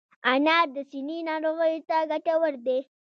انار د سینې ناروغیو ته ګټور دی.